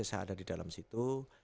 saya ada di dalam situ